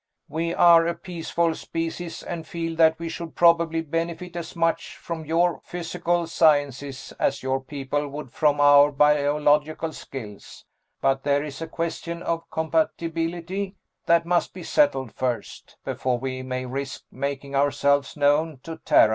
"We are a peaceful species and feel that we should probably benefit as much from your physical sciences as your people would from our biological skills, but there is a question of compatibility that must be settled first, before we may risk making ourselves known to Terra.